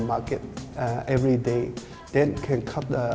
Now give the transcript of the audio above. dan itu adalah tren kita